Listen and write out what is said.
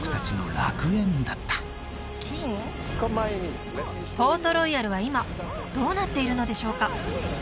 まさにポートロイヤルは今どうなっているのでしょうか？